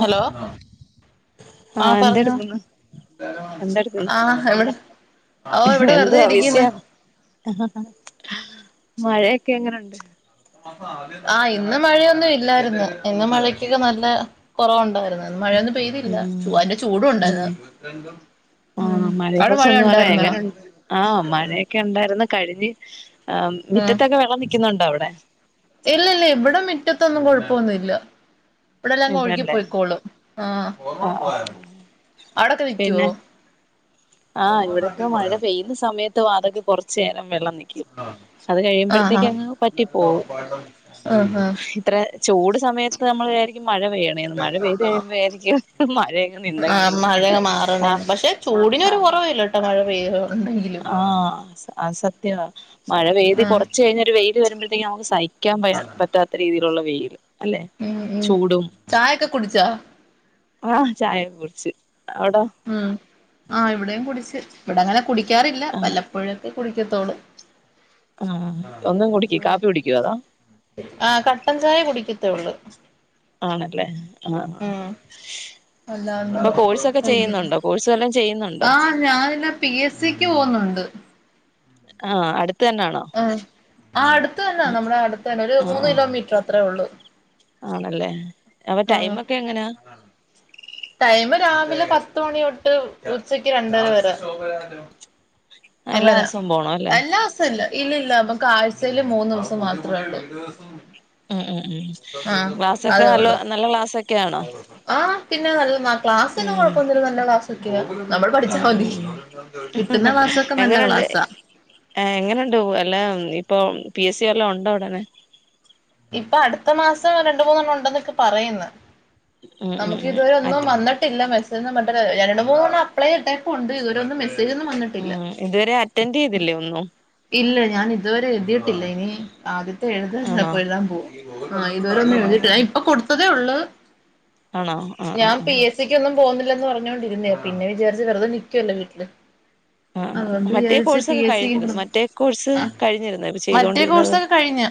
Hello ആ ആഹ് പറഞ്ഞോ എന്തെടുക്കുന്നു എന്തെടുക്കുന്നു ആ ഇവിടെ ഓ ഇവിടെ വെറുതെ എന്തുവാ ഇരിക്ക്ന്ന് ബിസിയാണോ മഴയൊക്കെ എങ്ങനൊണ്ട് ആ ഇന്ന് മഴയൊന്നും ഇല്ലായിരുന്നു ഇന്ന് മഴക്കൊക്കെ നല്ല കൊറവുണ്ടാ മഴയൊന്നും പെയ്തില്ല ഉം ചുവ ഐന്റെ ഉം ചൂടുണ്ടായിര്ന് ഉം ആഹ് മഴയെ അവിടെ മഴ കുറിച്ചൊന്ന് പറയാ ഉണ്ടായിര്നാ എങ്ങനുണ്ട് ആഹ് മഴയൊക്കെ ഉണ്ടായിരുന്നു കഴിഞ്ഞ് ആഈ മിറ്റത്തൊക്കെ വെള്ളം നൽക്കുന്നുണ്ടോ അവടെ ഇല്ലല്ല ഇവിടെ മിറ്റത്തൊന്നും കൊഴപ്പൊന്നുല്ല ഇവിടെല്ലാങ്ങ് ഒഴുകി ഇല്ലല്ലേ പൊയ്ക്കോളും ആ ആഹ് ആഹ് ആഹ് അവടൊക്കെ നിക്കോ പിന്നെ ആഹ് ഇവിടെക്കെ മഴ പെയ്യുന്ന സമയത്ത് വാതക് കൊറച്ചേരം വെള്ളംനിക്കും അത് ആ ആ കഴിയുമ്പഴ്തേക്കങ്ങ് വറ്റിപോവും ആ ആ ഇത്ര ചൂട് സമയത്ത് നമ്മള് വിചാരിക്കും മഴ പെയ്യണേന്ന് മഴപെയ്ത് കഴിയുമ്പൊ വിചാരിക്കും മഴയങ്ങ് നിന്നങ്കിൽന്ന് ആ തിനൊരു കൊറവില്ലട്ടോ മഴ പെയ്യുന്നുണ്ടെങ്കിലും ആഹ് അസ അസത് ത്യവാ മഴ ആ പെയ്ത്കൊറച്ചഴിഞ് ഒരു വെയി ല് വരുമ്പഴ്ത്തേക്ക് നമുക്ക് സഹി ക്കാൻ പയ പറ്റാത്ത രീതിയി ള്ള വെയില് ല്ലെ ഉം ഉം ചൂടും ചായൊക്കെ കുടിച്ചോ ആ ചായെക്കെ കുടിച്ച് അവിടോ ഉം ആ ഇവിടെം കുടിച്ച് ഇവിടങ്ങനെ കുടിക്കാറില്ല ആഹ് വല്ലപ്പോഴൊകെ കുടിക്കത്തോട് ആഹ് ഒന്നും കുടിക്ക് ആഹ് കാപ്പി കുടിക്കുവോ അതോ ആഹ് കട്ടൻചായ കുടിക്കും ത്തൊള്ളു ആണെല്ലേ ആഹ് ആഹ് അല്ലാതെ ഇപം കോഴ്സൊകെ കഴിക്കത്തില്ല ചെയ്യുന്നുണ്ടോ കോഴ്സ് വല്ലേം ആഹ് ഞാനിന്ന് പി എസ് സിക്ക് പോകുന്നുണ്ട് ആഹ് അട് ആഹ് ആഹ് അടുത്ത്തന്നെ നമ്മളെ അട്താണ് ഒരു ആഹ് മൂന്ന് ആഹ് കിലോമീറ്റർ അത്രെ ഒള്ളൂ ആണല്ലേ അപം ടൈമൊക്കെ എങ്ങനാ ടൈമ് രാവിലെ പത്ത്മണി ഒട്ട് ഉച്ചക്ക് രണ്ടര വരെ എല്ലാ അങ്ങനാ ദിവസവും പോണം അല്ലേ എല്ലാസല്ല് ഇല്ലല്ല മ്മക്ക് ആഴ്ചയില് മൂന്ന് ദിവസം മാത്രേ ഉള്ളൂ. ഉം ഉം ഉം ആഹ് ക്ലാസൊക്കെ അതേ നല്ല ഉള്ളൂ നല്ല ക്ലാസ്സ് ആഹ് പിന്നെ നല്ലതാ ക്ലാസൊന്നും ഉം കുഴപൊന്നുല്യ നല്ല ക്ലാസ്സ് ഒക്കയാ. ഉം ഉം ഉം കിട്ടുന്ന ക്ലാസ്സൊക്കെ നല്ല എങ്ങനൊണ്ട് ക്ലാസ്സാ എങ്ങനൊണ്ട് [unintelligible] ല്ല ഇപ്പം പി എസി വല്ലോം ഉണ്ടോ ഉടനെ ഇപ്പ അടുത്ത മാസം രണ്ടുമൂന്നെണ്ണം ഉണ്ടന്നൊക്കെ പറയ്ന്ന്. ഉം ഉം നമ്മക്ക് ഉം ഇതു വരെ ഒന്നും അറ്റ് വന്നിട്ടില്ല മെസ് [unintelligible] രണ്ടു മൂന്ന് അപ്ളേ ഇട്ടേകുണ്ട് ഇത് വരേ ഒന്നും മെസേ ആ ഇതുവരെഅറ്റന്റൈതില്ലേ ഒന്നും ഇല്ല ഞാൻ ഇതുവരെ എതിയിട്ടില്ല ഇനി ആദ്യ ത് എഴുത് [unintelligible] ആണോ ഇപ്പ എഴുതാ പോവ്വാ ആ ഇതുവരെ ഒന്നും എഴുതിട്ടില്ല ആഹ് ഇപ്പ കൊടുത്ത് തേ ഉള്ള് ആണോ ആഹ് ആഹ് ഞാൻ പി ആഹ് എസ്സിക്കൊന്നും പോന്നിൽ ല്ലെന്ന് പറഞ്ഞോണ്ടിരുന്നയാ, പിന്നെ വിചാരിച്ച് വെറുതെ നിക്കുവല്ലെ വീട്ടില്. ആ ആ അതുകൊണ്ട് മറ്റേ വിചാരിച്ച് പി കോഴ്സൊക്കെ എസ് സി കഴിഞ്ഞിരിന്ന്, മറ്റേ കോഴ്സ് കഴിഞ്ഞിര്ന്നോ ഇപ്പം മറ്റേ ചെയ്തോണ്ടിര്ന്നത്. കോഴ്സൊക്കെ കഴിഞ്ഞ്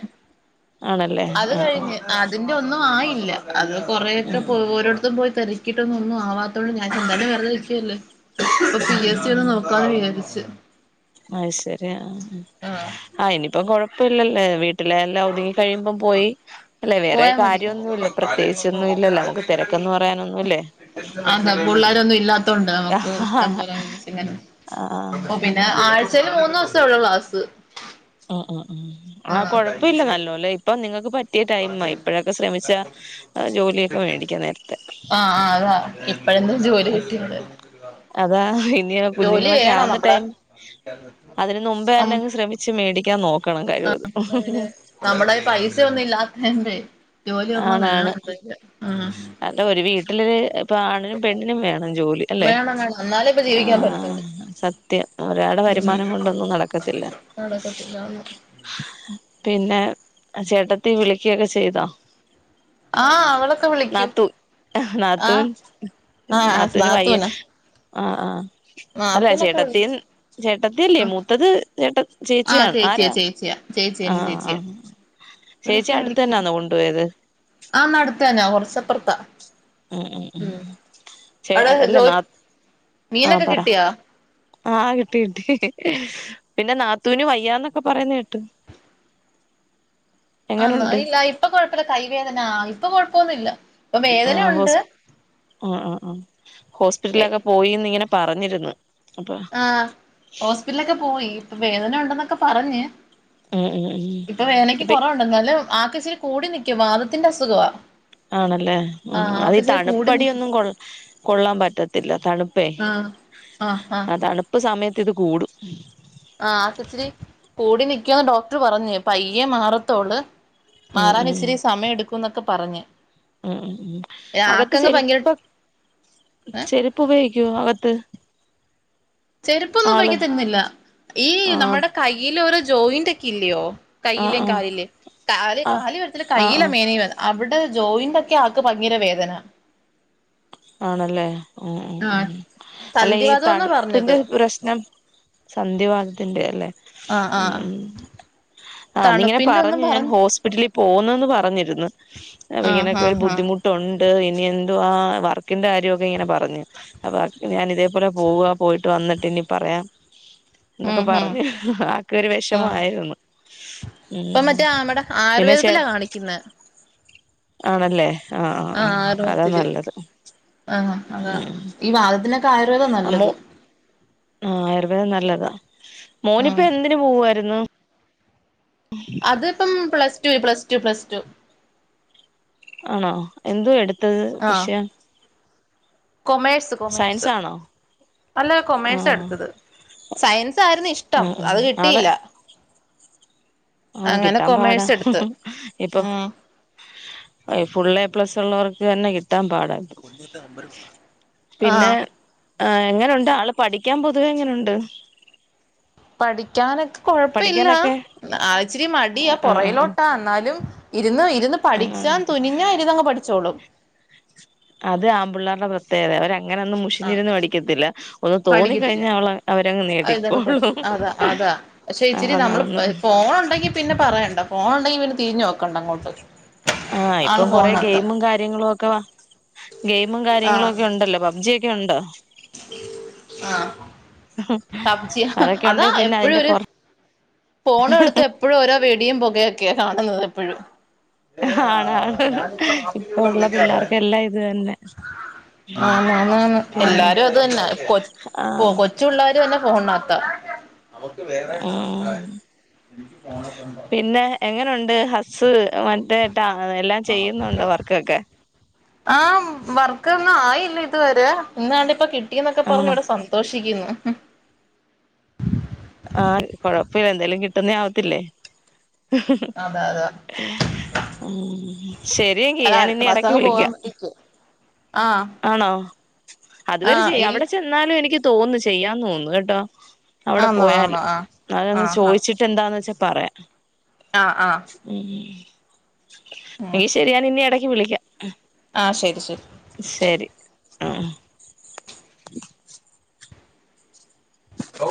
അത് കഴിഞ്ഞ്, അതിന്റെ ഒന്നുവാ ആയില്ല അത്. കുറെയൊക്കെ ഉം പോ ഒരോരുത്തർ പോയി തെരക്കിട്ട് ഒന്നും ഒന്നു ആവാത്തോണ്ട് ഞാൻ എന്തായാലും വെറുതെ നിക്കുവല്ലേ അപ്പൊ പി ഉം എസ് സി ഒന്ന് നോക്കാന്ന് വിചാരിച്ച്. അയ്ശരി ആ ആഹ് ആ ആയിന് ഇപ്പം കുഴപ്പ ഇല്ലല്ലെ വീട്ട് അല്ലെ വേറെ പോയാ മതി കാര്യൊന്നുല്ല പ്രത്യേകിച്ചൊന്നും ഇല്ലല്ലോ നമുക്ക് തിരക്കെന്ന് പറയാനൊന്നുല്ലേ ആ ഹാ പിള്ളോരൊന്നു ഇല്ലാത്തൊണ്ട് നമുക്ക് ഇഷ്ടം ആഹ് പോലെ ഒരുരുമിച്ചിങ്ങനെ ഓ പിന്നെ ആഴ് ച്ചേല് മൂന്നു ദിവസെ ഉള്ളൂ ക്ലാസ്സ് ഉം ഉം ആ കൊഴപ്പയില്ല നല്ലൊപോലെ ഇപ്പ നിങ്ങക്ക് പറ്റിയ ടൈം ആ ഇപ്പഴൊക്കെ ശ്രമിച്ചാ ജോലിയൊക്കെ വേടിക്കാ നേരത്തെ. ആഹ് ആഹ് അതാ ഇപ്പഴെന്താ ജോലി കിട്ടിയത് അതാ ഇനിയ ജോലി കുഞ്ഞുങ്ങളൊക്കെ വേണം ആവുന്ന നമ്മടെ ടൈം അതിന് നുമ്പെന്നെ അങ്ങ് ശ്രമിച്ച് മേടി ക്യ നോ അ ഇന്ന പിന്നെ നമ്മളെ പൈസ ഒന്നു ഇല്ലാ [unintelligible] ജോലിഒരെണ്ണം ആണാണ് വേണം [unintelligible] ആഹ് എല് ഇപ്പ ആണിനും പെണ്ണിനും വേണം ജോലി അല്ലെ വേണം വേണം എന്നാലേ ഇപ്പൊ ജീവിക്കാൻ ആഹ് പറ്റത്തുള്ളൂ സത്യം ഒരാടെ വരുമാനം കൊണ്ടൊന്നും നടക്കത്തില്ല നടക്കത്തില്ലാന്ന് പിന്നെ അഹ് ചേട്ടത്തി വിളിക്യൊക്കെ ചെയ്തോ ആ അവളൊക്കെ വിളിക്കും നാത്തൂ ആ നാത്തൂൻ ആഹ് നാത്തൂന അഹ് ആഹ് അല്ല ചേട്ടത്തി വിളിച്ചു ചേട്ടത്തിയല്ലെ ആഹ് മൂത്തത് ചേട്ട ആഹ് ചേച്ചിയാണ് ചേച്ചിയാ ആരാ ചേച്ചിയാ ചേച്ചി എന്റെ ആഹ് ആഹ് ചേച്ചിയാ അഹ് ചേച്ചി അടുത്തന്നണോ കൊണ്ടോയത് ആ നട്‌ത്ത്ന്നെ ഒറച്ചപ്പറത്താ ഉം ഉം ഉം ചേ അവിടെ അ അല്ല നാ ജോലി ആ മീനൊക്കെ പറ കിട്ടിയാ അഹ് ആഹ് കിട്ടി കിട്ടി പിന്നെ നാത്തൂന് വയ്യാന്നക്കെ പറേന്ന കേട്ട് വന്നു എങ്ങനുണ്ട് ഇല്ല ഇപ്പൊ കൊഴപ്പല്ല കൈവേദന ഇപ്പൊ കൊഴപ്പൊന്നുല്ല ഇപ്പൊ ആ വേദന ഉണ്ട് ഹോസ് അഹ് അഹ് അഹ് ഹോസ്പിറ്റൽലൊക്ക പോയിന്ന് ഇങ്ങനെ പ പറഞ്ഞിര്ന്ന് ആ ഹോസ്പിറ്റൽലക്കെ പോയി ഇപ്പ വേദന ഉണ്ടെന്ന ക്ക പറഞ്ഞ് ഉം ഉം ഉം ഇപ്പൊ വേദനക്ക് ഇപ്പ കൊറവൊണ്ട് എന്നാലും ആക്ക് ഇച്ചിരി കൂടി നിക്കും. വാതത്തിന്റ അസുഖവാ ആണല്ലേ മ്ഹ് ആഹ് അത് ആക്ക് ഈ ഇച്ചിരി കൂടി നിക്കും തണുപ്പടിയൊന്നും കൊള് കൊള്ളാൻ പറ്റത്തില്ല തണു ആഹ് ആഹ് ആഹ് സമയത്ത് ഇത് കൂടും മ് ആഹ് ആക്ക് ഇച്ചിരി കൂടി നിക്കാന്ന് ഡോക്ടർ പറഞ്ഞ് പയ്യെ മാറത്തോള്ള് ഉം മാറാൻ ഇച്ചിരി സമയം എടുക്കുന്നൊക്ക പറഞ്ഞ് മ്ഹ് മ്ഹ് അകത്ത് ആക്കങ്ങ് ഭയങ്കര ചെരുപ്പ ഏ ചെരുപ്പ് ഉപയോഗിക്കോ അകത്ത്. ചെരുപ്പൊന്നും ആള് ഉപയൊഗിക്കത്തൊന്നും ഇല്ല ഈ ആ നമ്മടെ കയ്യില് ഓരോ ജോയിന്റൊക്കെ ഇല്ലിയോ ആ കയ്യിലേം ആ കാലിലേം കാല് ആ കാല് വരത്തില്ല ആ കയ്യില ആ [unintelligible] അവ്ട ജോയിന്റൊക്കെ ആക്ക് ഭങ്കര വേദന ആണല്ലേ ഉം ഉം ആഹ് അല്ല ഈ സന്ധിവാതം എന്നാ പറഞ്ഞത് തണുപ്പിന്റെ പ്രശ്നം സന്ധിവാദത്തിന്റെയാ അല്ലേ ആഹ് ഉം ആഹ് ഉം ആ ന്നിങ്ങനെ തണുപ്പിന്റെ ഒന്നും പറഞ്ഞ് ഞാൻ ഹോസ്പിറ്റലി പോന്ന്ന്ന് പറഞ്ഞിര്ന്ന് അപ്പൊ ആഹ് ഇങ്ങനെക്കെ ഒരു ആഹ് ആഹ് ബുദ്ധിമുട്ടൊണ് [unintelligible] ഇനി എന്തുവാ വർ ക്കിന്റെ കാര്യോക്കെ ഇങ്ങന പറഞ്ഞ് അപ്പൊ ഞാന് ഇതേപോലെ പോവാ പോയിട്ട് വന്നിട്ട് ഇനി പറയാം ഉം ന്നൊക്കെ ഉം പറഞ്ഞ് ആക്കൊരു ആഹ് വെഷമായിരുന്നു ഇപ്പൊ ഉം മറ്റേ നമ്മടെ പിന്നെ ചേ ആയുർവേദത്തിലാ കാണിക്കുന്നെ ആണല്ലേ ആഹ് ആഹ് അതാ നല്ലത് ആഹ് അതാ ഉം ഈ വാദത്തിനൊക്ക ആയുർവേദാ നല്ലത് ആഹ് ആയുർവേദം നല്ലതാ ഉം മോനിപ്പൊ എന്തിന് പോവാ രുന്നു അത്പ്പം plus two plus two plus two ആണോ എന്തുവ എടു ത്തത് ആഹ് വിഷയം കൊമേഴ്സ് സയൻസ് കൊമേഴ്സ് ആണോ അല്ല ആ കൊമേഴ്സ എടുത്തത് സയൻസ് ആരുന്നു ആ ഇഷ്ടം അത് കിട്ടിയില്ല ആഹ് അങ്ങനെ കിട്ടാൻ പാടാ കൊമേഴ്സ് എടുത്ത് ഇപ്പൊ ഉം ഫുൾ എ പ്ലസ് ഉള്ളവർക്ക് തന്നെ കിട്ട ട്ടാൻ പാടാ ആഹ് പിന്നെ ആഹ് എങ്ങനുണ്ട് ആള് പഠിക്കാൻ പൊതുവെ എങ്ങനുണ്ട് പഠി ക്കാനൊക്കെ കൊഴപ്പില്ല പഠിക്കാനൊക്കെ ആളിച്ചിരി മടിയാ ആ ആ പുറകിലോട്ടാ എന്നാലും ഇരുന്ന് ഇരുന്ന് ആ പഠിച്ചാൻ തുനിഞ്ഞാ ഇരുന്നങ്ങ് പഠിച്ചോളും അത് ആംപിള്ളേരുടെ പ്രത്യേകത അവ അങ്ങനെ ഒന്നും ആഹ് മുഷിഞ്ഞിരുന്ന് പടിക്കത്തില്ല പഠിക്കത്തില്ല അഇരുന്നങ് നേടിക്കോളും പഠിക്കും അതാ അതാ പക്ഷെ ഇച്ചിരി ആന്ന് നമ്മള് ആന്ന് ഫോൺ ഉണ്ടെങ്കി പിന്നെ പറ യണ്ട ഫോൺണ്ടെങ്കിൽ പിന്നെ തിരിഞ്ഞു നോക്കണ്ട അങ്ങോട്ട് ആ ആള് ഇപ്പം കൊറേ ഫോണിനകത്താ ഗെയിമും കാര്യങ്ങളും ഒക്കെ വ ഗെയിമും കാര്യങ്ങളും ആഹ് ഒക്കെ ഉണ്ടല്ലോ പബ്ജി ഒക്കെ ഉണ്ടോ ആഹ് പബ്ജിയാ അതൊക്കെ ഉണ്ട് അതാ പിന്നെ എപ്പഴും അതിന്റെ ഒരു പൊറ പോണെടുത്ത് എപ്പഴും ഓരോ വെടിയും പുകയൊക്കെ ക്കെ കാണുന്നത് എപ്പഴും ആണാണ് ഇപ്പൊ ഉള്ള പിള്ളേർക്കെല്ലാം ഇത് തന്നെ പിന്നെ എല്ലാരും അത് തന്നെ ആഹ് കൊച്ചു പിള്ളേര് തന്നെ ഫോണിന ക നമുക്ക് വേറെട്ടാ ആം പിന്നെ എങ്ങനു ഹെ ഹസ്സ് മറ്റേ ട്ടാ എല്ലാം ചെയ്യുന്നുണ്ട് വർക്കൊക്കെ ആഹ് വർക്കൊന്നും ആയില്ല ഇതുവരെ ഇന്നാണ്ട് ഇപ്പ കിട്ടിയെന്നൊക്കെ പറഞ്ഞു ആണോ ഇവിടെ സന്തോഷിക്കുന്നു ആഹ് കൊഴപ്പഇല്ല എന്തേലും കിട്ടുന്നേ ആവത്തില്ലേ അതെ അതെ ഉം ശരിയെങ്കി അല്ല ഞാൻ അടുത്ത ഇനി മാസം ഇടക്ക് അങ്ങ് വിളിക്കാ പോവാൻ വേണ്ടിക്ക് ആഹ് ആണോ അതുവരെ ആഹ് ചെയ്യു ഇൽ അവിടെ ചെന്നാലും എനിക്ക് തോന്നു ചെയ്യാം തോന്നുന്നു കേട്ടോ അവിടെ ആന്നോ പോയാല് ആന്നോ ആഹ് ആരോടൊന്ന് ആഹ് ആഹ് ചോയിച്ചിട്ട് എന്താന്ന് വെച്ചാ പറയാം ആഹ് ആഹ് ഉം അത് ശരിയാണേലിനിട ഇനി വിളിക്കാം. ആ ശരി ശരി ശരി ആഹ് ഹലോ